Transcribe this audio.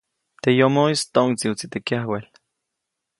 Teʼ yomoʼis toʼŋdsiʼutsi teʼ kyawel.